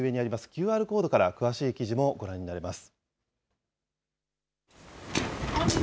ＱＲコードから、詳しい記事もご覧になれます。